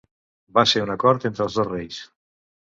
Va ser un acord entre els dos reis.